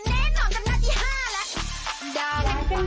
สวัสดีค่ะคุณผู้ชมค่ะวันนี้ฮาปัสพามาถึงจากกันอยู่ที่ยา